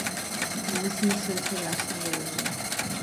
Lewis and the Search for Rational Religion.